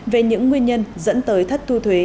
về những nguyên nhân dẫn tới thất thu thuế